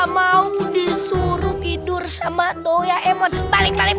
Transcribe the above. mau disuruh tidur sama toya emon balik balik